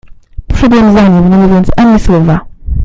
"Poszedłem za nim, nie mówiąc ani słowa."